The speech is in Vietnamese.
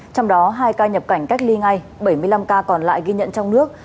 trong đó hai ca nhập cảnh cách ly ngay bảy mươi năm ca còn lại ghi nhận trong nước